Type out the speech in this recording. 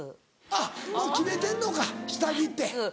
あっもう決めてんのか下着って。